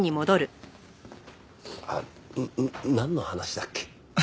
なんの話だっけ？